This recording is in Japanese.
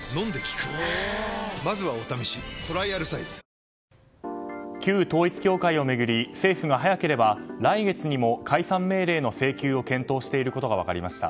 味の素の「コンソメ」旧統一教会を巡り政府が早ければ来月にも解散命令の請求を検討していることが分かりました。